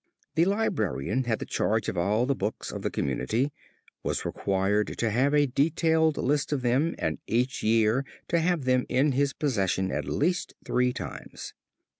The librarian had the charge of all the books of the community, was required to have a detailed list of them and each year to have them in his possession at least three times.